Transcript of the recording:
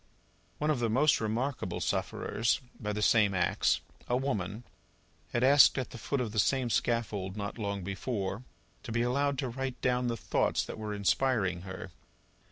One of the most remarkable sufferers by the same axe a woman had asked at the foot of the same scaffold, not long before, to be allowed to write down the thoughts that were inspiring her.